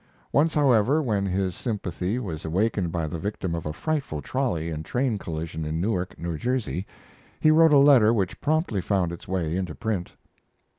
Once, however, when his sympathy was awakened by the victim of a frightful trolley and train collision in Newark, New Jersey, he wrote a letter which promptly found its way into print.